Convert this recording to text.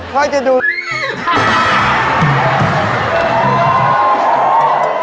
ค่อยจะดูดมือ